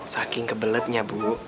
saking kebeletnya bu